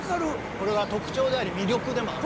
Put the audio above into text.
これが特徴であり魅力でもあるんです。